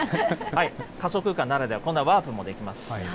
仮想空間ならでは、こんなワープもできます。